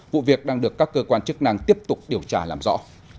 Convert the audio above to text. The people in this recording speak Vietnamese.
vụ việc đang được các cơ quan chức năng tiếp tục điều tra làm rõ